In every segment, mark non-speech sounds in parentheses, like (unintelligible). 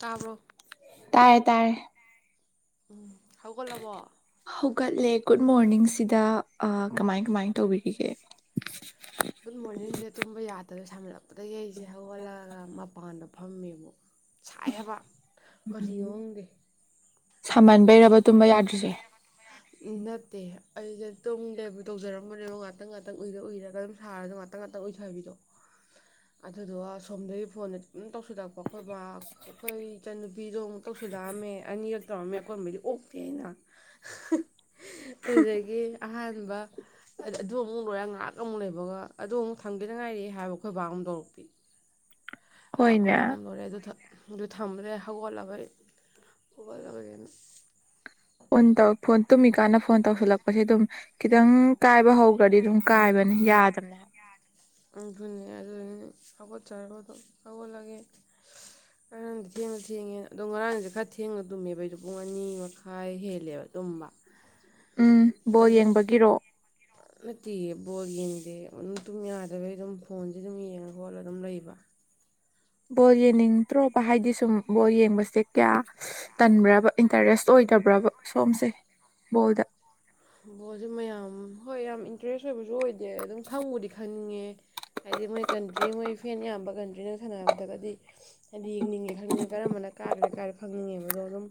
ꯇꯥꯕꯣ ꯇꯥꯔꯦ ꯇꯥꯔꯦ ꯎꯝ ꯍꯧꯒꯣꯜꯂꯕꯣ ꯍꯧꯒꯠꯂꯦ ꯒꯨꯗ ꯃꯣꯔꯅꯤꯡꯁꯤꯗ ꯀꯃꯥꯏ ꯀꯃꯥꯏ ꯇꯧꯕꯤꯔꯤꯒꯦ ꯒꯨꯗ ꯃꯣꯔꯅꯤꯡꯁꯦ ꯇꯨꯝꯕ ꯌꯥꯗꯅ ꯁꯝꯍꯠꯂꯛꯄꯗ ꯌꯩꯁꯦ ꯍꯧꯒꯜꯂꯒ ꯃꯄꯥꯟꯗ ꯐꯝꯃꯦꯕꯨ ꯁꯥꯏ ꯍꯥꯏꯕ ꯀꯅꯤꯌꯣꯡꯗꯦ ꯁꯥꯃꯟꯕꯩꯔꯕ ꯇꯨꯝꯕ ꯌꯥꯗ꯭ꯔꯤꯁꯦ ꯎꯝ ꯅꯠꯇꯦ ꯑꯩꯁꯦ ꯑꯗꯨꯝ ꯂꯦꯕꯨ ꯇꯧꯖꯔꯝꯕꯅꯦꯕ ꯉꯥꯛꯇꯪ ꯉꯥꯛꯇꯪ ꯎꯏꯔ ꯎꯏꯔꯒ ꯑꯗꯨꯝ ꯁꯥꯔ ꯑꯗꯨ ꯉꯥꯛꯇ ꯇꯉ ꯉꯇ ꯑꯣꯏꯗꯣ ꯍꯥꯏꯕꯤꯗꯣ (inaudible) ꯑꯗꯨꯗꯨꯒ ꯁꯣꯝꯗꯒꯤ ꯐꯣꯟꯗ ꯑꯗꯨꯝ ꯇꯧꯁꯤꯜꯂꯛꯄ ꯑꯩꯈꯣꯏ ꯑꯩꯈꯣꯏ ꯏꯆꯟꯅꯨꯄꯤꯗꯣ ꯑꯃꯨ ꯇꯧꯁꯤꯜꯂꯛꯑꯝꯃꯦ ꯑꯅꯤꯔꯛ ꯇꯧꯔꯝꯃꯦ ꯑꯀꯣꯏꯕꯩꯗꯤ ꯑꯣꯛꯇꯦ ꯍꯥꯏꯅ ꯑꯗꯨꯗꯒꯤ ꯑꯍꯥꯟꯕ ꯍꯥꯏꯗ ꯑꯗꯨ ꯑꯃꯨꯛ ꯂꯣꯏꯔꯒ ꯉꯥꯏꯍꯥꯛ ꯑꯃꯨꯛ ꯂꯩꯕꯒ ꯑꯗꯨ ꯑꯃꯨꯛ ꯊꯪꯒꯅꯉꯥꯏꯔꯦ ꯍꯥꯏꯕ ꯑꯩꯈꯣꯏ ꯕꯥ ꯑꯃ ꯇꯧꯔꯛꯄꯤ ꯈꯣꯏ ꯍꯣꯏꯅꯦ ꯄꯝ ꯂꯣꯏꯔꯦ ꯑꯗꯨ ꯑꯗꯨ ꯊꯝꯃꯨꯔꯦ ꯍꯧꯒꯠꯂꯕꯒꯤ ꯍꯧꯒꯠꯂꯕꯒꯤꯅ ꯟꯧ ꯇꯨꯝꯃꯤꯀꯥꯟꯗ ꯐꯣꯟ ꯇꯧꯁꯤꯜꯂꯛꯄꯁꯦ ꯑꯗꯨꯝ ꯈꯤꯇꯪ ꯀꯥꯏꯕ ꯍꯧ ꯗꯤ ꯑꯗꯨꯝ ꯀꯥꯏꯕꯅꯤ ꯌꯥꯗꯕꯅꯦ ꯅꯤ ꯑꯗꯨ ꯀꯕꯠ ꯆꯥꯕꯗ ꯀꯕ ꯂꯒꯦ ꯎ ꯉꯔꯥꯡꯗꯤ ꯊꯦꯡꯅ ꯊꯦꯡꯉꯦ ꯑꯗꯣ ꯉꯔꯥꯡꯁꯦ ꯈꯔ ꯊꯦꯡꯅ ꯇꯨꯝꯃꯦꯕ ꯑꯩꯁꯨꯣ ꯄꯨꯡ ꯑꯅꯤ ꯃꯈꯥꯏ ꯍꯦꯜꯂꯦꯕ ꯇꯨꯝꯕ ꯎꯝ ꯕꯣ ꯑꯗ ꯌꯦꯡꯕꯒꯤꯔꯣ ꯅꯠꯇꯦ ꯕꯣꯜ ꯌꯦꯡꯗꯦ ꯑꯗꯨꯝ ꯌꯥꯗꯕꯩ ꯑꯗꯨꯝ ꯐꯣꯟꯁꯦ ꯑꯗꯨꯝ ꯌꯦꯡꯉ ꯈꯣꯠꯂ ꯑꯗꯨꯝ ꯂꯩꯕ ꯕꯣꯜ ꯌꯦꯡꯅꯤꯡꯗ꯭ꯔꯣꯕ ꯍꯥꯏꯗꯤ ꯁꯨꯝ ꯕꯣꯜ ꯌꯦꯡꯕꯁꯦ ꯀꯌꯥ ꯇꯟꯕ꯭ꯔꯕ ꯏꯟꯇꯔꯦꯁ ꯑꯣꯏꯗꯕ꯭ꯔꯕ ꯁꯣꯝꯁꯦ ꯕꯣꯜꯗ ꯃꯌꯥꯝ ꯍꯣꯏ ꯌꯥꯝ ꯏꯟꯇꯔꯦꯁ ꯑꯣꯏꯕꯁꯨ ꯑꯣꯏꯗꯦ ꯑꯗꯨꯝ ꯈꯪꯕꯨꯗꯤ ꯈꯪꯅꯤꯡꯉꯦ ꯍꯥꯏꯗꯤ ꯃꯣꯏ ꯀꯟꯇ꯭ꯔꯤ ꯃꯣꯏ ꯐꯦꯟ ꯌꯥꯝꯕ ꯀꯟꯇ꯭ꯔꯤꯅ ꯁꯥꯟꯅꯔꯗ꯭ꯔꯒꯗꯤ ꯍꯥꯏꯗꯤ ꯌꯦꯡꯅꯤꯡꯉꯦ ꯈꯪꯅꯤꯡꯉꯦ ꯀꯔꯝꯕꯅ ꯀꯥꯈ꯭ꯔꯦ ꯀꯥꯔꯦ ꯈꯪꯅꯤꯡꯉꯦꯕꯗꯣ ꯑꯗꯨꯝ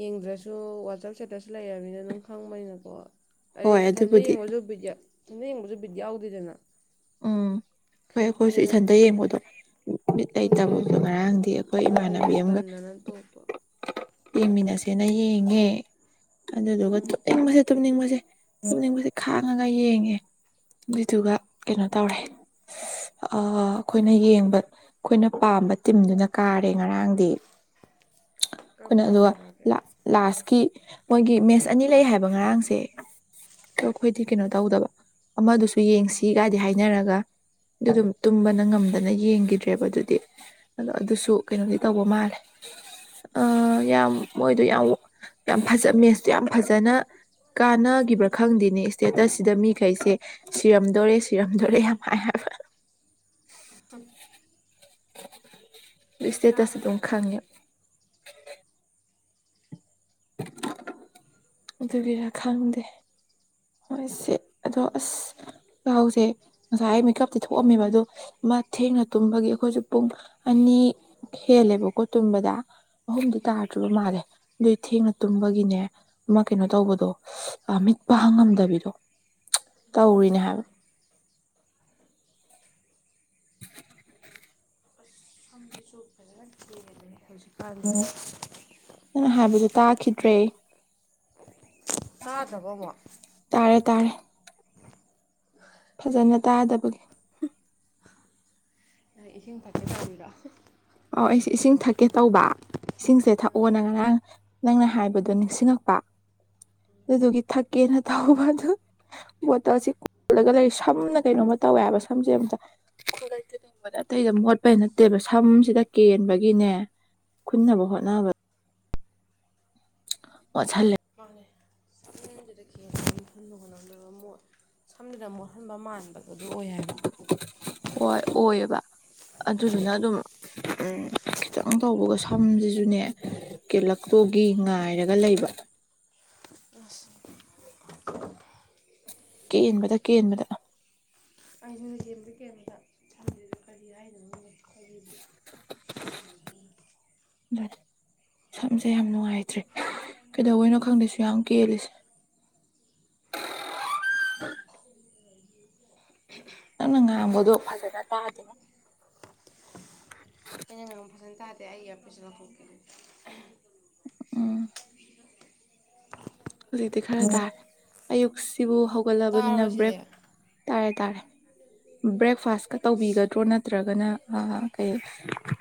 ꯌꯦꯡꯗ꯭ꯔꯁꯨ ꯋꯥꯆꯞ ꯁꯦꯠꯇ꯭ꯔꯁꯨ ꯂꯩꯅꯤꯅ ꯑꯗꯨꯝ ꯈꯪꯕꯅꯤꯅ ꯑꯣ ꯍꯣꯏ ꯑꯩꯗꯤ ꯊꯟꯗ ꯑꯗꯨꯕꯨꯗꯤ ꯌꯦꯡꯕꯁꯨ ꯕꯤꯠ ꯊꯟꯗ ꯌꯦꯡꯕꯁꯨ ꯕꯤꯠ ꯌꯥꯎꯗꯦꯗꯅ ꯎꯝ ꯐꯔ ꯑꯩꯈꯣꯏꯁꯨ ꯑꯗꯨꯗꯩ ꯑꯗꯨꯝ ꯏꯊꯟꯇ ꯌꯦꯡꯕꯗꯣ ꯃꯤꯠ ꯑꯗꯨꯗꯩ ꯂꯩꯇꯕꯗꯣ ꯑꯗꯨꯝ ꯉꯔꯥꯡꯗꯤ ꯑꯩꯈꯣꯏ ꯑꯗꯨꯗꯤ ꯏꯃꯥꯟꯅꯕꯤ ꯑꯗꯨꯝ ꯑꯃꯒ ꯇꯟꯗꯅ ꯇꯣꯛꯄ ꯌꯦꯡꯃꯤꯟꯅꯁꯦꯅ ꯌꯦꯡꯉꯦ ꯑꯗꯨꯗꯨꯒ ꯎꯝ ꯇꯨꯝꯅꯤꯡꯕꯁꯦ ꯇꯨꯝꯅꯤꯡꯕꯁꯦ ꯇꯨꯝꯅꯤꯡꯕꯁꯦ ꯈꯥꯡꯉꯒ ꯌꯦꯡꯉꯦ ꯑꯗꯨꯏꯗꯨꯒ ꯀꯩꯅꯣ ꯇꯧꯔꯦ ꯑꯩꯈꯣꯏꯅ ꯌꯦꯡꯕ ꯑꯩꯈꯣꯏꯅ ꯄꯥꯝꯕ ꯇꯤꯝꯗꯨꯅ ꯀꯥꯔꯦ ꯉꯔꯥꯡꯗꯤ ꯀꯔꯝꯕ ꯑꯩꯈꯣꯏꯅ ꯇꯤꯝ ꯑꯗꯨꯒ ꯀꯥꯒꯦ ꯂꯥꯁꯀꯤ ꯃꯣꯏꯒꯤ ꯃꯦꯠꯁ ꯑꯅꯤ ꯂꯩ ꯍꯥꯏꯕ ꯉꯔꯥꯡꯁꯦ ꯑ ꯑꯩꯈꯣꯏꯗꯤ ꯀꯩꯅꯣ ꯇꯧꯗꯕ ꯑꯃꯗꯨꯁꯨ ꯌꯦꯡꯁꯤ ꯁꯤ ꯀꯥꯏꯗꯤ ꯍꯥꯏꯅꯔꯒ ꯑꯗꯨ ꯑꯗꯨꯝ ꯇꯨꯝꯕꯅ ꯉꯝꯗꯅ ꯌꯦꯡꯈꯤꯗ꯭ꯔꯦꯕ ꯑꯗꯨꯗꯤ ꯑꯗꯣ ꯑꯗꯨꯁꯨ ꯀꯩꯅꯣꯗꯤ ꯇꯧꯕ ꯃꯥꯜꯂꯦ ꯑ ꯌꯥꯝ ꯃꯣꯏꯗꯣ ꯌꯥꯝ ꯌꯥꯝ ꯐꯖ ꯃꯦꯠꯁꯇꯣ ꯌꯥꯝ ꯐꯖꯅ ꯀꯥꯟꯅꯈꯤꯕ꯭ꯔꯥ ꯈꯪꯗꯦꯅꯦ ꯏꯁꯇꯦꯇꯁꯁꯤꯗ ꯃꯤꯈꯩꯁꯦ ꯁꯤꯔꯝ ꯗꯣꯔꯦ ꯁꯤꯔꯝꯗꯣꯔꯦ ꯌꯥꯝ ꯐ ꯍꯥꯏꯕ (unintelligible) ꯏꯁꯇꯦꯇꯁ ꯀꯥꯕ꯭ꯔꯥ ꯑꯗꯨꯝ ꯀꯅꯥꯅ ꯈꯪꯉꯦ ꯀꯥꯒ꯭ꯔꯒꯦ (inaudible) ꯑꯗꯨꯒꯤꯔ ꯈꯪꯗꯦ ꯍꯣꯏꯁꯦ ꯑꯗꯣ ꯑꯁ ꯌꯥꯎꯁꯦ ꯉꯁꯥꯏ ꯑꯩ ꯃꯤꯀꯞꯇꯤ ꯊꯣꯛꯑꯝꯃꯦꯕ ꯑꯗꯣ ꯃꯥ ꯊꯦꯡꯅ ꯇꯨꯝꯕꯒꯤ ꯑꯩꯈꯣꯏꯁꯨ ꯄꯨꯡ ꯑꯅꯤ ꯍꯦꯜꯂꯦꯕꯀꯣ ꯇꯨꯝꯕꯗ ꯑꯍꯨꯝꯗꯤ ꯇꯥꯗ꯭ꯔꯤꯕ ꯃꯥꯜꯂꯦ ꯑꯗꯨꯏ ꯊꯦꯡꯅ ꯇꯨꯝꯕꯒꯤꯅꯦ ꯑꯃꯥ ꯀꯩꯅꯣ ꯇꯧꯕꯗꯣ ꯃꯤꯠ ꯄꯥꯡꯉꯝꯗꯕꯤꯗꯣ ꯇꯧꯔꯤꯅꯦ ꯍꯥꯏꯕ (inaudible) ꯑꯁ ꯁꯝꯖꯤꯖꯨ ꯐꯖꯅ ꯀꯦꯟꯂꯦꯍꯦ ꯍꯧꯖꯤꯛꯀꯟꯗꯤ ꯅꯪ ꯍꯥꯏꯕꯗꯨ ꯇꯥꯈꯤꯗ꯭ꯔꯦ ꯇꯥꯗꯕ꯭ꯔꯣ ꯑꯃꯨꯛ ꯇꯥꯔꯦ ꯇꯥꯔꯦ ꯐꯖꯅ ꯇꯥꯗꯕꯒꯤ ꯅꯪ ꯏꯁꯤꯡ ꯊꯛꯀꯦ ꯇꯧꯔꯤꯔꫭ (unintelligible) ꯑꯣ ꯑꯩꯁꯦ ꯏꯁꯤꯡ ꯊꯛꯀꯦ ꯇꯧꯕ ꯏꯁꯤꯡꯁꯦ ꯊꯛꯑꯣꯅ ꯉꯔꯥꯡ ꯅꯪꯅ ꯍꯥꯏꯕꯗꯣ ꯅꯤꯡꯁꯤꯡꯉꯛꯄ ꯑꯗꯨꯗꯨꯒꯤ ꯊꯛꯀꯦꯅ ꯇꯧꯕ ꯑꯗꯨ ꯕꯣꯇꯜꯁꯤ ꯀꯣꯜꯂꯒ ꯂꯩ ꯁꯝꯅ ꯀꯩꯅꯣꯝꯃ ꯇꯧꯋꯦ ꯍꯥꯏꯕ ꯁꯝꯁꯦ ꯑꯃꯝꯇ (unintelligible) ꯑꯇꯩꯗ ꯃꯣꯠꯄꯩ ꯅꯠꯇꯦꯕ ꯁꯝꯁꯤꯗ ꯀꯦꯟꯕꯒꯤꯅꯦ ꯈꯨꯟꯅꯕ ꯍꯣꯠꯅꯕꯗ (unintelligible) ꯃꫭꯠꯁꯜꯂꯦ ꯃꯥꯅꯦ ꯁꯝꯁꯤꯗ (unintelligible) ꯍꯣꯠꯅꯕꯗ ꯂꯣꯏ ꯃꯣꯠꯂꯦ ꯁꯝꯖꯤꯅ ꯃꯣꯠꯍꯟꯕ ꯃꯥꯟꯕꯗꯨ ꯑꯗꯨ ꯑꯣꯏ ꯍꯥꯏꯕ ꯍꯣꯏ ꯑꯣꯏꯌꯦꯕ ꯑꯗꯨꯗꯨꯅ ꯑꯗꯨꯝ ꯎꯝ ꯈꯤꯇꯪ ꯇꯧꯕꯒ ꯁꯝꯁꯤꯁꯨꯅꯦ ꯀꯦꯟꯂꯛꯇꯣꯒꯤ ꯉꯥꯏꯔꯒ ꯂꯩꯕ ꯑꯁ ꯀꯦꯟꯕꯗ ꯀꯦꯟꯕꯗ (unintelligible) ꯀꯔꯤ ꯍꯥꯏꯗꯣꯅꯣ ꯈꯪꯗꯦ (unintelligible) (unintelligible) (unintelligible) ꯁꯝꯁꯦ ꯌꯥꯝ ꯅꯨꯡꯉꯥꯏꯇ꯭ꯔꯦ ꯀꯩꯗꯩꯕꯩꯅꯣ ꯈꯪꯗꯦ ꯁꯨꯛ ꯌꯥꯝ ꯀꯦꯜꯂꯤꯁꯦ (unintelligible) ꯅꯪꯅ ꯉꯥꯡꯕꯗꯣ ꯐꯖꯅ ꯇꯥꯗꯦꯉꯣ ꯑꯩꯅ ꯉꯥꯡꯕ ꯐꯖꯅ ꯇꯥꯗꯦ ꯑꯩ ꯏꯌ꯭ꯔꯥꯄꯤꯁ ꯂꯧꯊꯣꯛꯀꯦ ꯑꯗꯨꯗꯤ ꯎꯝ ꯍꯧꯖꯤꯛꯇꯤ ꯈꯔ ꯇꯥꯔꯦ ꯑꯌꯨꯛꯁꯤꯕꯨ ꯍꯧꯒꯠꯂꯕꯅꯤꯅ ꯇꯥꯔꯕ ꯁꯤꯗꯤ ꯕ꯭ꯔꯦꯛ ꯇꯥꯔꯦ ꯇꯥꯔꯦ ꯕ꯭ꯔꯦꯛꯐꯥꯁ ꯀ ꯇꯧꯕꯤꯒꯗ꯭ꯔꯣ ꯅꯠꯇ꯭ꯔꯒꯅ ꯑ ꯀꯩ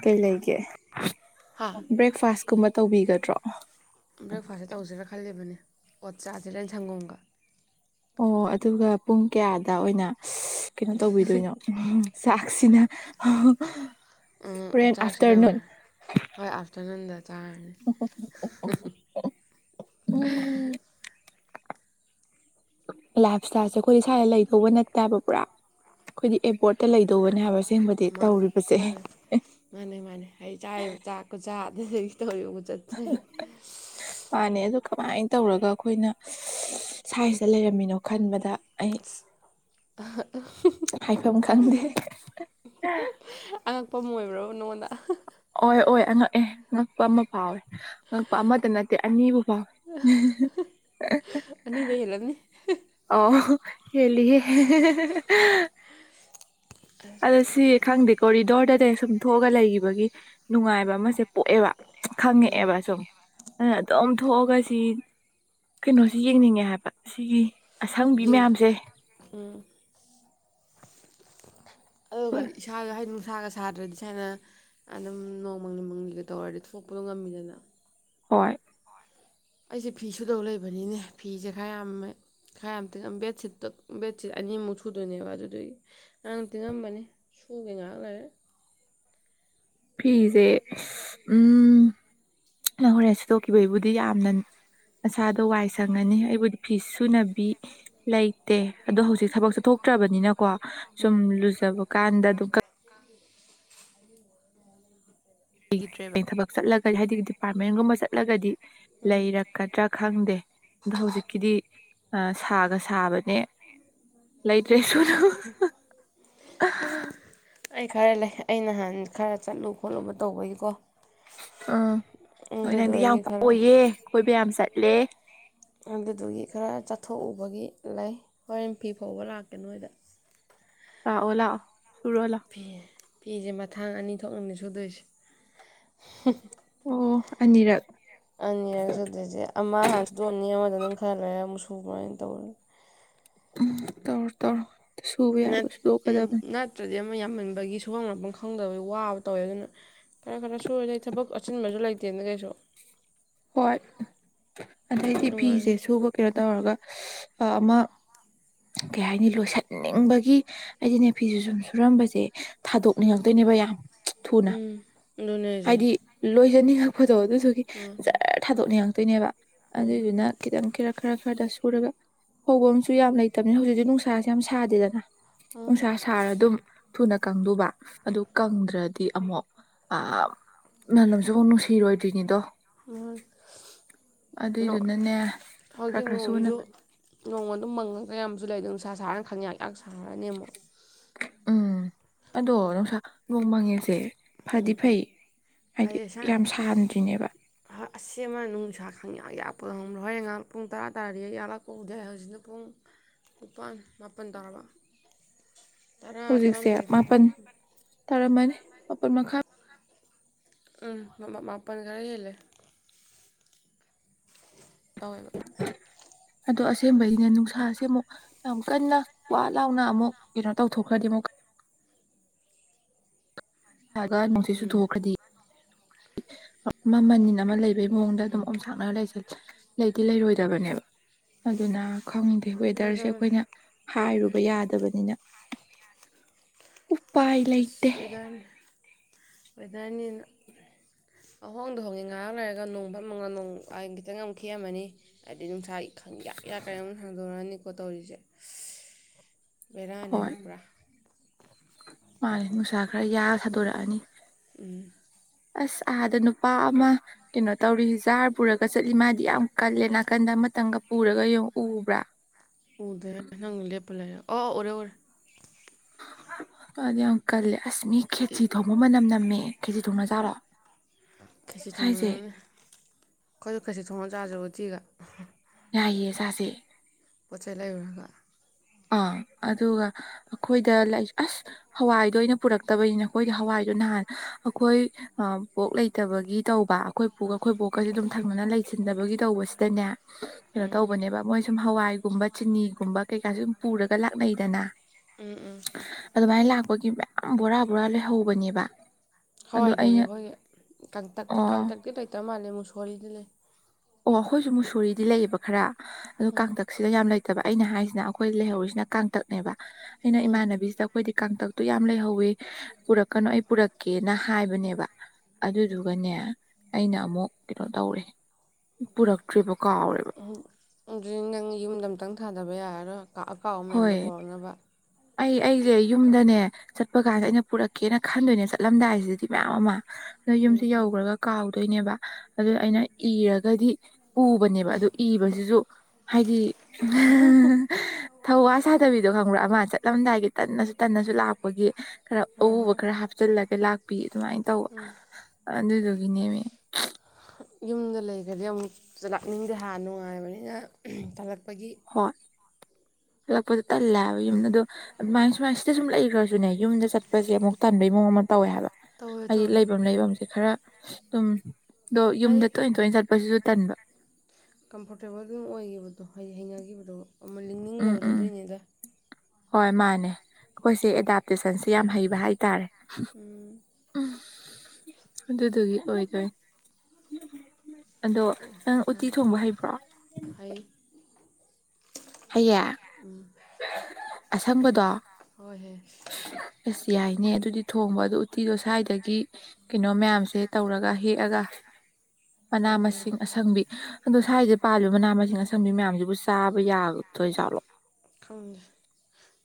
ꯀꯩ ꯂꯩꯒꯦ ꯍꯥ ꯕ꯭ꯔꯦꯛꯐꯥꯁ ꯀꯨꯝꯕ ꯇꯧꯕꯤꯒꯗ꯭ꯔꯣ ꯕ꯭ꯔꯦꯛꯐꯥꯁꯁꯦ ꯇꯧꯁꯤꯔꯥ ꯈꯜꯂꯤꯕꯅꯦ ꯑꯣꯠ ꯆꯥꯁꯦꯔ ꯁꯪꯒꯣꯝꯒ ꯑꯣ ꯑꯗꯨꯒ ꯄꯨꯡ ꯀꯌꯥꯗ ꯑꯣꯏꯅ ꯀꯩꯅꯣ ꯇꯧꯕꯤꯗꯣꯏꯅꯣ (unintelligible) ꯆꯥꯛꯁꯤꯅ ꯎꯝ ꯆꯥꯛꯁꯤꯅ ꯑꯥꯐꯇꯔꯅꯨꯟ ꯍꯣꯏ ꯑꯥꯐꯇꯔꯅꯨꯟꯗ ꯆꯥꯔꯅꯤ (unintelligible) ꯂꯥꯏꯐ ꯏꯁꯇꯥꯏꯜꯁꯦ ꯑꯩꯈꯣꯏꯗꯤ ꯁ꯭ꯋꯥꯏꯗ ꯂꯩꯗꯧꯕ ꯅꯠꯇꯦꯕ ꯄꯨꯔꯥ ꯑꯩꯈꯣꯏꯗꯤ ꯑꯦꯕꯣꯔꯠꯇ ꯂꯩꯗꯧꯕꯅꯦ ꯍꯥꯏꯕꯁꯦ ꯃꯥ ꯃꯥꯅꯤ ꯃꯥꯅꯤ ꯑꯩꯩ ꯆꯥꯔꯤꯕ ꯆꯥꯛ ꯈꯨꯆꯥꯥ ꯑꯗꯨꯗꯨꯒꯤ (unintelligible) ꯃꯥꯥꯅꯦ ꯑꯗꯨ ꯀꯃꯥꯏꯅ ꯇꯧꯔꯒ ꯑꯩꯈꯣꯏꯅ ꯁꯥꯏꯁꯤꯗ ꯂꯩꯔꯝꯃꯤꯅꯣ ꯈꯟꯕꯗ ꯑꯩ (unintelligible) ꯍꯥꯏꯐꯝ ꯈꯪꯗꯦ ꯑꯉꯛꯄ ꯑꯃ ꯑꯣꯏꯕꯕ꯭ꯔ ꯅꯪꯉꯣꯟꯗ ꯑꯣꯏ ꯑꯣꯏ ꯑꯉꯛꯑꯦ ꯉꯛꯄ ꯑꯃ ꯐꯥꯎꯋꯦ ꯉꯛꯄ ꯑꯃꯇ ꯅꯠꯇꯦ ꯑꯅꯤꯕꯨ ꯐꯥꯎꯋꯦ (unintelligible) ꯑꯅꯤꯗꯩ ꯍꯦꯜꯂꯝꯅꯤ ꯑꯣ ꯍꯦꯂꯤꯍꯦ (unintelligible) ꯑꯁ ꯑꯗꯣ ꯁꯤ ꯈꯪꯗꯦꯀꯣ ꯔꯤꯗꯣꯔꯗꯗꯤ ꯁꯨꯝ ꯊꯣꯛꯑꯒ ꯂꯩꯈꯤꯕꯒꯤ ꯅꯨꯡꯉꯥꯏꯕ ꯑꯃꯁꯦ ꯄꯣꯛꯑꯦꯕ ꯈꯪꯉꯛꯑꯦꯕ ꯁꯨꯝ ꯑ ꯑꯗꯨꯝ ꯊꯣꯛꯑꯒ ꯁꯤ ꯀꯩꯅꯣꯁꯤ ꯌꯦꯡꯅꯤꯡꯉꯦ ꯍꯥꯏꯕ ꯁꯤꯒꯤ ꯑꯁꯪꯕꯤ ꯚ꯭ꯌꯨ ꯃꯌꯥꯝꯖꯦ ꯎꯝ ꯑꯗꯨꯒ ꯏꯁꯥꯒ ꯍꯥꯏꯗꯤ ꯅꯨꯡꯁꯥꯒ ꯁꯥꯗ꯭ꯔꯗꯤ ꯁꯥꯥꯏꯅ ꯑꯗꯨꯝ ꯅꯣꯡꯃꯪꯂꯤ ꯃꯪꯂꯤꯒ ꯇꯧꯔꯗꯤ ꯊꯣꯛꯄꯗꯣ ꯉꯝꯃꯤꯗꯅ ꯍꯣꯏ ꯑꯩꯁꯦ ꯐꯤ ꯁꯨꯗꯧ ꯂꯩꯕꯅꯤꯅꯦ ꯐꯤꯁꯦ ꯈꯔ ꯌꯥꯝ ꯈꯔ ꯌꯥꯝꯇꯅ ꯕꯦꯗꯁꯤꯠꯇꯣ ꯕꯦꯗꯁꯤꯠ ꯑꯅꯤꯃꯨꯛ ꯁꯨꯗꯣꯏꯅꯦꯕ ꯑꯗꯨꯗꯨꯒꯤ꯫ ꯉꯔꯥꯡ ꯇꯤꯡꯉꯝꯕꯅꯤ ꯁꯨꯒꯦ ꯉꯩꯍꯥꯛ ꯂꯩꯔꯒ꯫ ꯐꯤꯖꯦ ꯑꯁ ꯎꯝ꯫ ꯅꯪꯍꯣꯔꯦꯟ ꯁꯤꯠꯇꯣꯛꯈꯤꯕꯒꯤꯕꯨꯗꯤ ꯌꯥꯝꯅ ꯅꯁꯥꯗꯣ ꯋꯥꯏ ꯁꯪꯉꯅꯤ ꯑꯩꯕꯨꯗꯤ꯫ ꯐꯤꯁꯨꯅꯕꯤ꯫ ꯂꯩꯇꯦ ꯑꯗꯣ ꯍꯧꯖꯤꯛ ꯊꯕꯛ ꯆꯠꯊꯣꯛꯇ꯭ꯔꯕꯅꯤꯅꯀꯣ ꯁꯨꯝ ꯎꯝ ꯂꯨꯖꯕ ꯀꯥꯟꯗ ꯑꯗꯨ ꯀ (unintelligible) ꯂꯩꯒꯤꯗꯔꯦꯕ ꯊꯕꯛ ꯆꯠꯂꯒ ꯍꯥꯏꯗꯤ ꯗꯤꯄꯥꯔꯠꯃꯦꯟꯒꯨꯝꯕ ꯆꯠꯂꯒꯗꯤ ꯎꯝ ꯂꯩꯔ ꯀꯗ꯭ꯔꯥ ꯈꯪꯗꯦ ꯑꯗꯣ ꯍꯧꯖꯤꯛꯀꯤꯗꯤ ꯁꯥꯒ ꯁꯥꯕꯅꯦ꯫ ꯂꯩꯇ꯭ꯔꯦ ꯁꯨꯅꯨ꯫ ꯑꯩ ꯈꯔ ꯂꯩ ꯑꯩ ꯅꯍꯥꯟ ꯈꯔ ꯆꯠꯂꯨ ꯈꯣꯠꯂꯨꯕ ꯇꯧꯕꯒꯤꯀꯣ꯫ ꯑꯥ ꯍꯣꯏ ꯅꯪꯗꯤ ꯌꯥꯝ ꯑꯗꯨꯗꯨꯒꯤ ꯈꯔ ꯀꯣꯏꯌꯦ ꯀꯣꯏꯕ ꯌꯥꯝ ꯆꯠꯂꯦ꯫ ꯑꯗꯨꯗꯨꯒꯤ ꯈꯔ ꯆꯠꯊꯣꯛꯎꯕꯒꯤ ꯂꯩ ꯍꯣꯔꯦꯟ ꯐꯤ ꯐꯥꯎꯕ ꯂꯥꯛꯀꯦ ꯅꯣꯏꯗ꯫ ꯂꯥꯛꯑꯣ ꯂꯥꯛꯑꯣ ꯄꯨꯔꯣ ꯂꯥꯑꯣ꯫ ꯐꯦ ꯐꯤꯁꯦ ꯃꯊꯥꯡ ꯑꯅꯤ ꯊꯣꯛꯅꯅꯦ ꯁꯨꯗꯣꯏꯁꯦ꯫ ꯑꯣ ꯑꯅꯤꯔꯛ꯫ ꯑꯅꯤꯔꯛ ꯆꯠꯇꯣꯖꯦ ꯑꯃ ꯍꯥꯟ ꯁꯨꯗꯣꯑꯅꯤ ꯑꯃꯗꯨꯅ ꯈꯔ ꯂꯩꯔ ꯑꯃꯨ ꯁꯨꯨꯕꯔ ꯑꯗꯨꯃꯥꯏꯅ ꯇꯧꯔꯅꯤ꯫ ꯎꯝ ꯇꯧꯔꯣ ꯇꯧꯔꯣ꯫ ꯁꯨꯕ ꯌꯥꯕ ꯅꯠ ꯁꯨꯗꯣꯛꯀꯗꯕꯅꯤ ꯅꯠꯇ꯭ꯔꯗꯤ ꯑꯃ ꯌꯥꯝꯃꯟꯕꯒꯤ ꯁꯨꯐꯝ ꯂꯥꯛꯐꯝ ꯈꯪꯗꯕꯒꯤ ꯋꯥꯕ ꯇꯧꯋꯦ ꯑꯗꯨꯅ ꯈꯔ ꯈꯔ ꯁꯨꯔꯗꯤ ꯊꯕꯛ ꯑꯆꯤꯟꯕꯁꯨ ꯂꯩꯇꯦꯅ ꯀꯩꯁꯨ꯫ ꯍꯣꯏ ꯑꯗꯩꯗꯤ ꯐꯤꯁꯦ ꯑꯗꯨꯃꯥꯏꯅ ꯁꯨ ꯀꯩꯅꯣ ꯇꯧꯔꯒ ꯑ ꯑꯃ꯫ ꯀꯩ ꯍꯥꯏꯅꯤ ꯂꯣꯏꯁꯟꯅꯤꯡꯕꯒꯤ ꯑꯩꯗꯤꯅꯦ ꯐꯤꯖꯦ ꯁꯨꯝ ꯁꯨꯔꯝꯕꯖꯦ ꯎꯝ ꯊꯥꯗꯣꯛꯅꯤꯡꯉꯛꯇꯣꯏꯅꯦꯕ ꯌꯥꯝ ꯊꯨꯅ꯫ ꯎꯝ ꯑꯗꯨꯅꯦ ꯍꯥꯏꯁꯦ ꯍꯥꯏꯗꯤ ꯂꯣꯏꯖꯅꯤꯡꯉꯛꯄꯗꯣ ꯑꯗꯨꯗꯨꯒꯤ ꯎꯝ ꯖꯔ ꯊꯥꯗꯣꯛꯅꯤꯡꯉꯛꯇꯣꯏꯅꯦꯕ꯫ ꯎꯝ ꯑꯗꯨꯏꯗꯨꯅ꯫ ꯈꯤꯇꯪ ꯈꯔ ꯈꯔ ꯈꯔꯗ ꯁꯨꯔꯒ ꯐꯧꯕꯝꯁꯨ ꯌꯥꯝ ꯂꯩꯇꯕꯅꯤꯅ ꯍꯧꯖꯤꯛꯁꯤ ꯅꯨꯡꯁꯥꯁꯨ ꯌꯥꯝ ꯁꯥꯗꯦꯗꯅ ꯎꯝ ꯅꯨꯡꯁꯥ ꯁꯥꯔꯗꯨꯝ ꯊꯨꯅ ꯀꯪꯗꯨꯕ ꯑꯗꯨ ꯀꯪꯗ꯭ꯔꯗꯤ ꯑꯃꯨꯛ ꯑꯝ ꯃꯅꯝꯖꯨ ꯑꯃꯨꯛ ꯅꯨꯡꯁꯤꯔꯣꯏꯗ꯭ꯣꯏꯅꯤꯗꯣ꯫ (unintelligible) ꯅꯣꯡ ꯑꯗꯨꯏꯗꯨꯅꯅꯦ ꯈꯔ ꯍꯧꯖꯤꯛ ꯈꯔ ꯅꯣꯡꯁꯤꯁꯨ ꯁꯨꯅꯕ ꯅꯣꯡ ꯑꯗꯨꯝ ꯃꯪꯉꯒ ꯑꯌꯥꯝꯕ ꯑꯃꯖꯨ ꯂꯩꯗꯣ ꯅꯨꯡꯁꯥ ꯁꯥꯔꯒ ꯈꯪꯌꯥꯛꯌꯥꯛ ꯁꯥꯔꯅꯤ ꯑꯃꯨꯛ꯫ ꯎꯝ ꯑꯗꯣ ꯅꯨꯡꯁꯥ ꯅꯣꯡ ꯃꯪꯉꯦꯁꯦ꯫ ꯐꯗꯤ ꯎꯝ ꯐꯩ ꯍꯥꯏꯗꯤ ꯐꯔꯦ ꯁꯥ ꯌꯥꯝ ꯁꯥꯍꯟꯗ꯭ꯔꯤꯅꯦꯕ꯫ ꯑꯁ ꯑꯃ ꯅꯨꯡꯁꯥ ꯈꯪꯌꯥꯛ ꯌꯥꯛꯄꯗꯣ ꯍꯧꯕ꯭ꯔ ꯍꯣꯔꯦꯟ ꯉꯩꯍꯥꯛ ꯄꯨꯡ ꯇꯔꯥ ꯇꯥꯔꯗꯤ ꯌꯥꯛꯂꯛꯄ ꯎꯗꯦ ꯍꯧꯖꯤꯛꯅ ꯄꯨꯡ ꯅꯤꯄꯥꯥꯟ ꯃꯥꯄꯟ ꯇꯥꯔꯕ꯫ ꯇꯔꯥ ꯍꯧꯖꯤꯛꯁꯦ ꯇꯔꯥꯃꯥꯊꯣꯏꯗ ꯃꯥꯄꯟ ꯇꯥꯔꯝꯃꯅꯤ ꯃꯥꯄꯟ ꯃꯈꯥꯏ꯫ ꯎꯝ ꯃꯥꯄꯜ ꯈꯔ ꯍꯦꯜꯂꯦ (inaudible) ꯑꯗꯣ ꯑꯁꯦꯡꯕꯒꯤꯅꯦ ꯅꯨꯡꯁꯥꯁꯦ ꯑꯃꯨꯛ ꯌꯥꯝ ꯀꯟꯅ ꯋꯥ ꯂꯥꯎꯅ ꯑꯃꯨꯛ ꯀꯩꯅꯣ ꯇꯧꯊꯣꯛꯈ꯭ꯔꯗꯤ ꯑꯃꯨꯛ ꯑꯒ ꯅꯨꯡꯁꯤꯠ ꯎꯝ ꯆꯨꯊꯣꯛꯈ꯭ꯔꯗꯤ ꯑꯃ ꯃꯅꯤꯟ ꯑꯃ ꯂꯩꯕꯩ ꯃꯑꯣꯡꯗ ꯑꯗꯨꯝ ꯎꯝ ꯊꯅ ꯂꯩꯗꯤ ꯂꯩꯔꯣꯏꯗꯕꯅꯦꯕ ꯑꯗꯨꯅ ꯈꯪꯗꯦ ꯋꯦꯗꯔꯁꯦ ꯑꯗꯨꯝ ꯑꯩꯈꯣꯏꯅ ꯍꯥꯏꯔꯨꯕ ꯌꯥꯗꯕꯅꯤꯅ ꯎꯄꯥꯏ ꯑꯁ ꯂꯩꯇꯦ ꯋꯦꯗꯔꯅꯤ ꯋꯦꯗꯔꯅꯤꯅ ꯑꯍꯣꯡꯗ ꯍꯣꯡꯉꯦ ꯉꯥꯏꯍꯥꯡ ꯂꯩꯔꯒ ꯅꯣꯡ ꯐꯝꯃꯒ ꯅꯣꯡ ꯑꯩ ꯈꯤꯇꯪ ꯑꯃꯛ ꯈꯦꯝꯃꯅꯤ ꯑꯗꯨ ꯈꯪ ꯌꯥꯛ ꯌꯥ ꯀꯩꯅꯣꯝ ꯁꯥꯡꯗꯣꯔꯛꯑꯅꯤꯀꯣ ꯇꯧꯔꯤꯁꯦ ꯕꯦꯔꯥꯅꯦꯕ ꯄꯨꯔꯥ ꯃꯥꯂ ꯅꯨꯡꯁꯥ ꯈꯔ ꯌꯥꯔ ꯊꯥꯗꯣꯔꯛꯑꯅꯤ ꯎꯝ ꯑꯁ ꯑꯍꯥꯗ ꯅꯨꯄꯥ ꯑꯃ ꯀꯩꯅꯣ ꯇꯧꯔꯤ ꯖꯥꯔ ꯄꯨꯔꯒ ꯆꯠꯂꯤ ꯃꯥꯗꯤ ꯌꯥꯝ ꯀꯜꯂꯦ ꯅꯥꯀꯟꯗ ꯑꯃꯇꯪꯒ ꯄꯨꯔꯒ ꯌꯦꯡꯉ ꯎꯕ꯭ꯔꯥ ꯎꯗ ꯅꯪꯅ ꯂꯦꯞꯄ ꯂꯩꯔꯦ ꯑꯣ ꯑꯣꯔꯦ ꯑꯣꯔꯦ ꯑꯗ ꯌꯥꯝ ꯀꯂꯦ ꯑꯁꯃꯤ ꯈꯦꯆꯤ ꯊꯣꯡꯕ ꯃꯅꯝ ꯅꯝꯃꯦ ꯈꯦꯆꯤ ꯊꯣꯡꯅꯖꯥꯔꯣ ꯈꯦꯆꯤ ꯁ꯭ꯥꯏꯁꯦ ꯊꯣꯡꯅꯔꯝꯅꯦ ꯑꯩꯈꯣꯏꯁꯨ ꯈꯦꯁꯤ ꯊꯣꯡꯉ ꯆꯥꯖꯔꯕꯗꯤꯒ ꯌꯥꯏꯌꯦ ꯁꯦ ꯄꯣꯠ ꯆꯩꯩ ꯂꯩꯔꯨꯔꯒ ꯑꯥ ꯑꯗꯨꯒ ꯑꯩꯈꯣꯏꯗ ꯑꯁ ꯍꯋꯥꯏ ꯑꯗꯨꯗ ꯑꯩꯅ ꯄꯨꯔꯛꯇꯕꯅꯤꯅ ꯑꯩꯈꯣꯏꯗꯤ ꯍꯋꯥꯏꯗꯣ ꯅꯍꯥꯟ ꯑꯩꯈꯣꯏ ꯄꯣꯛ ꯂꯩꯇꯕꯒꯤ ꯇꯧꯕ ꯑꯩꯈꯣꯏ ꯄꯨꯒ ꯑꯩꯈꯣꯏ ꯕꯣꯛꯀꯁ ꯑꯗꯨꯝ ꯊꯪꯅꯅ ꯂꯩꯁꯤꯟꯗꯕꯒꯤ ꯇꯧꯕꯁꯤꯗꯅꯦ ꯀꯩꯅꯣ ꯎꯝ ꯇꯧꯕꯅꯦꯕ ꯃꯣꯏ ꯁꯨꯝ ꯍꯋꯥꯏꯒꯨꯝꯕ ꯆꯤꯅꯤꯒꯨꯝꯕ ꯀꯩꯀꯥꯁꯨ ꯁꯨꯝ ꯄꯨꯔꯒ ꯂꯥꯛꯅꯩꯗꯅ ꯎꯝ ꯎꯝ ꯑꯗꯨꯃꯥꯏꯅ ꯂꯥꯛꯄꯒꯤ ꯃꯌꯥꯝ ꯕꯣꯔꯥ ꯕꯣꯔꯥ ꯂꯩꯍꯧꯕꯅꯦꯕ ꯑꯗꯣ ꯍꯋꯥꯏ ꯂꯩꯩ ꯑꯩꯅ ꯑꯩꯈꯣꯏꯒꯤ ꯀꯥꯡꯇꯛ ꯑꯣ ꯀꯥꯡꯇꯛꯇꯤ ꯂꯩꯇꯕ ꯃꯥꯜꯂꯦ ꯃꯨꯁꯣꯔꯤꯗꯤ ꯂꯩ ꯑꯣ ꯑꯩꯈꯣꯏꯁꯨ ꯃꯨꯁꯣꯔꯤꯗꯤ ꯂꯩꯌꯦꯕ ꯈꯔ ꯎꯝ ꯑꯇꯛ ꯁꯤꯗ ꯌꯥꯝ ꯂꯩꯇꯕ ꯑꯩꯅ ꯍꯥꯏꯔꯤꯁꯤꯅ ꯑꯩꯈꯣꯏ ꯂꯩꯍꯧꯔꯤꯁꯤꯅ ꯀꯥꯡꯇꯛꯅꯦꯕ ꯑꯩꯅ ꯎꯝ ꯏꯃꯥꯟꯅꯕꯤꯁꯤꯗ ꯑꯩꯈꯣꯏꯗꯤ ꯀꯥꯡꯇꯛꯇꯨ ꯌꯥꯝ ꯂꯩꯍꯧꯋꯤ ꯄꯨꯔꯛꯀꯅꯨ ꯑꯩ ꯄꯨꯔꯛꯀꯦꯅ ꯍꯥꯏꯕꯅꯦꯕ ꯑꯗꯨꯗꯨꯒꯅꯦ ꯑꯩꯅ ꯑꯃꯨꯛ ꯀꯩꯅꯣ ꯇꯧꯔꯦ ꯄꯨꯔꯛꯇ꯭ꯔꯤꯕ ꯀꯥꯎꯔꯦꯕ ꯎꯝ ꯑꯗꯨꯗꯤ ꯅꯪ ꯌꯨꯝꯗ ꯑꯝꯇꯪ ꯊꯥꯗꯕ ꯌꯥꯔꯔꯣꯏ ꯑꯀꯥꯎꯕ ꯃꯌꯥꯝꯗꯣ ꯍꯣꯏ ꯄꯣꯔꯛꯅꯕ ꯑꯩ ꯑꯩꯁꯦ ꯌꯨꯝꯗꯅꯦ ꯆꯠꯄ ꯀꯥꯟꯗ ꯑꯩꯅ ꯄꯨꯔꯛꯀꯦꯅ ꯈꯟꯗꯣꯏꯅꯦ ꯆꯠꯂꯝꯗꯥꯏꯁꯤꯗꯗꯤ ꯃꯌꯥꯝ ꯑꯃ ꯅꯗ ꯎꯝ ꯌꯨꯝꯁꯦ ꯌꯧꯈ꯭ꯔꯒ ꯀꯥꯎꯗꯣꯏꯅꯦꯕ ꯑꯗꯨ ꯑꯩꯅ ꯏꯔꯒꯗꯤ ꯎꯕꯅꯦꯕ ꯑꯗꯨ ꯏꯕꯁꯤꯁꯨ ꯍꯥꯏꯗꯤ ꯊꯧꯋꯥ ꯁꯥꯗꯕꯤꯗꯣ ꯈꯪꯕ꯭ꯔꯥ ꯑꯃ ꯆꯠꯂꯝꯗꯥꯏꯒꯤ ꯇꯟꯅꯁꯨ ꯇꯟꯅꯁꯨ ꯂꯥꯛꯄꯒꯤ ꯈꯔ ꯍꯣꯏ ꯑꯎꯕ ꯍꯣꯏ ꯈꯔ ꯍꯥꯞꯆꯤꯜꯂꯒ ꯂꯥꯛꯄꯤ ꯑꯗꯨꯃꯥꯏꯅ ꯇꯧꯕ ꯑꯗꯨꯗꯨꯒꯤꯅꯦꯅꯦ ꯌꯨꯝꯗ ꯂꯩꯈ꯭ꯔꯗꯤ ꯑꯃꯨꯛ ꯆꯠꯂꯛꯅꯤꯡꯗꯦ ꯍꯥꯟꯅ ꯅꯨꯡꯉꯥꯏꯕꯅꯤꯅ ꯇꯠꯂꯛꯄꯒꯤ ꯍꯣꯏ ꯍꯂꯛꯄꯗ ꯇꯜꯂꯦꯕ ꯌꯨꯝꯗ ꯑ ꯑꯗꯨꯗꯣ ꯑꯗꯨꯃꯥꯏꯅ ꯁꯨꯃꯥꯏ ꯁꯤꯗ ꯁꯨꯝ ꯂꯩꯈ꯭ꯔꯁꯨꯅꯦ ꯌꯨꯝꯗ ꯆꯠꯄꯁꯦ ꯑꯃꯨꯛ ꯇꯟꯕꯩ ꯃꯑꯣꯡ ꯑꯃ ꯇꯧꯋꯦ ꯍꯥꯏꯕ ꯇꯧꯋꯦ ꯍꯥꯏꯗꯤ ꯇꯧꯋꯦ ꯂꯩꯐꯝ ꯂꯩꯐꯝꯁꯦ ꯈꯔ ꯑꯗꯨꯝ ꯑꯗꯣ ꯌꯨꯝꯗ ꯇꯣꯏꯅ ꯇꯣꯏꯅ ꯆꯠꯄꯁꯤꯁꯨ ꯇꯟꯕ ꯀꯝꯐꯣꯔꯇꯦꯕꯜꯗꯨꯝ ꯑꯣꯏꯈꯤꯕꯗꯣ ꯍ ꯍꯩꯅꯈꯤꯕꯗꯣ ꯑꯃ ꯎꯝ ꯂꯤꯡꯅꯤꯡꯗꯕꯗꯨꯣ ꯎꯝ ꯑꯗꯨꯅꯦꯗ ꯍꯣꯏ ꯃꯥꯅꯦ ꯑꯩꯈꯣꯏꯁꯦ ꯑꯦꯗꯥꯞꯇꯦꯁꯟꯁꯤ ꯌꯥꯝ ꯍꯩꯕ ꯍꯥꯏꯇꯥꯔꯦ ꯎꯝ ꯎ ꯑꯗꯨꯗꯨꯒꯤ ꯑꯣꯏꯗꯣꯏ ꯑꯗꯣ ꯅꯪ ꯎꯠꯇꯤ ꯊꯣꯡꯕ ꯍꯩꯕ꯭ꯔꯣ ꯍꯥꯏꯩ ꯍꯌꯦꯌꯦ ꯑꯁꯪꯕꯗꯣ ꯍꯣꯏ ꯍꯦ ꯑꯦꯁ ꯌꯥꯏꯅꯦ ꯑꯗꯨꯗꯤ ꯊꯣꯡꯕ ꯑꯗꯨ ꯎꯇꯤꯗꯣ ꯁ꯭ꯋꯥꯏꯗꯒꯤ ꯀꯩꯅꯣ ꯃꯌꯥꯝꯁꯦ ꯇꯧꯔꯒ ꯍꯦꯛꯑꯒ ꯃꯅꯥ ꯊꯣꯡꯉꯣ ꯃꯁꯤꯡ ꯑꯁꯪꯕꯤ ꯑꯗꯣ ꯁ꯭ꯋꯥꯏꯗ ꯄꯥꯜꯂꯤꯕ ꯃꯅꯥ ꯃꯁꯤꯡ ꯑꯁꯪꯕꯤ ꯃꯌꯥꯝꯁꯤꯕꯨ ꯆꯥꯕ ꯌꯥꯕ ꯈꯪꯦ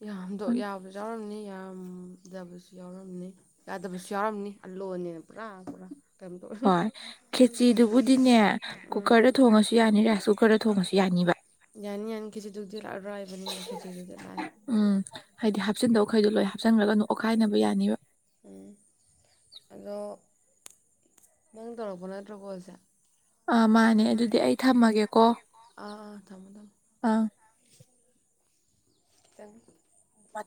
ꯌꯥꯝꯗꯣ ꯌꯥꯎꯔꯝꯅꯤ ꯌꯥꯗꯕꯁꯨ ꯌꯥꯎꯔꯝꯅꯤ ꯌꯥꯗꯕꯁꯨ ꯥꯝꯅꯤ ꯑꯜꯂꯣꯅꯤꯅ ꯄꯨꯔꯥ ꯄꯨꯔꯥ ꯀꯩꯝꯇ ꯍꯣꯏ ꯎꯝ ꯈꯦꯆꯤꯗꯨꯕꯨꯗꯤꯅꯦ ꯀꯨꯀꯔꯗ ꯊꯣꯡꯉꯁꯨ ꯌꯥꯅꯤ ꯔꯥꯏꯁ ꯀꯨꯀꯔꯗ ꯊꯣꯡꯉꯁꯨ ꯌꯥꯅꯤꯕ ꯌꯥꯅꯤ ꯌꯥꯅꯤ ꯈꯦꯆꯤꯗꯨꯗꯤ ꯂꯥꯛꯑꯔꯣꯏ ꯍꯥꯏꯕꯅꯤꯅ ꯈꯦꯖꯤꯤꯗꯨꯗꯤ ꯂꯥꯛꯑꯦ ꯎꯝ ꯍꯥꯏꯗꯤ ꯍꯥꯞꯆꯤꯟꯗꯕꯈꯩꯗꯣ ꯂꯣꯏ ꯍꯥꯞꯆꯤꯟꯈ꯭ꯔꯒꯅꯨ ꯑꯣꯠꯈꯥꯏꯅꯕ ꯌꯥꯅꯤꯕ ꯎ ꯑꯗ ꯅꯪꯅ ꯇꯧꯔꯄꯅꯥꯠꯇ꯭ꯔꯣ ꯀꯣꯜꯁꯦ ꯑꯥ ꯃꯥꯅꯦ ꯑꯗꯨꯗꯤ ꯑꯩ ꯊꯝꯃꯒꯦꯀꯣ ꯑꯥ ꯊꯝꯃꯣ ꯊꯝꯃꯣ ꯑꯥ ꯆꯪ ꯃꯅꯤ